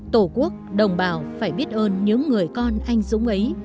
tổ quốc đồng bào phải biết ơn những người con anh dũng ấy